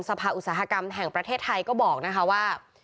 อุตสาหกรรมแห่งประเทศไทยก็บอกนะคะว่า